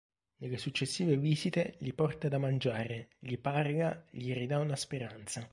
Nelle successive visite gli porta da mangiare, gli parla, gli ridà una speranza.